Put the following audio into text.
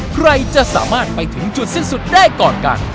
ใครจะสามารถไปถึงจุดสิ้นสุดได้ก่อนกัน